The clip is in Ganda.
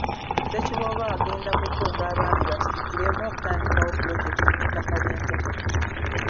Ssekiboobo agenda kukunga Abaami basitukiremu okutandikawo pulojekiti ku ttaka ly’embuga.